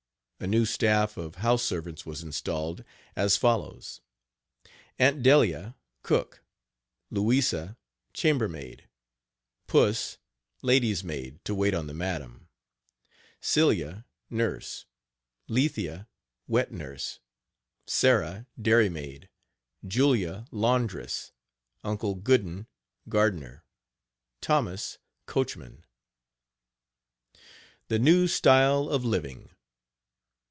A new staff of house servants was installed, as follows: Aunt Delia, cook; Louisa, chambermaid; Puss, lady's maid to wait on the madam; Celia, nurse; Lethia, wet nurse; Sarah, dairymaid; Julia, laundress; Uncle Gooden, gardener; Thomas, coachman. THE NEW STYLE OF LIVING.